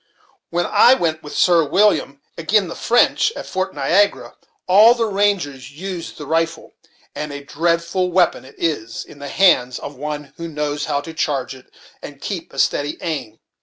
When I went with Sir William agin' the French, at Fort Niagara, all the rangers used the rifle; and a dreadful weapon it is, in the hands of one who knows how to charge it, and keep a steady aim.